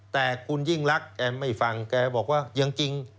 แต่คุณยิ่งรักแกไม่ฟังแกบอกว่ายังจริง